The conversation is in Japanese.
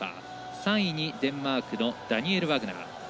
３位にデンマークのダニエル・ワグナー。